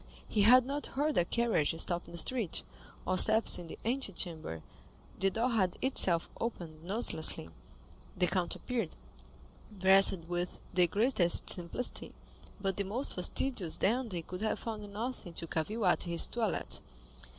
He had not heard a carriage stop in the street, or steps in the antechamber; the door had itself opened noiselessly. The count appeared, dressed with the greatest simplicity, but the most fastidious dandy could have found nothing to cavil at in his toilet.